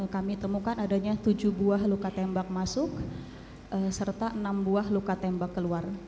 kami temukan adanya tujuh buah luka tembak masuk serta enam buah luka tembak keluar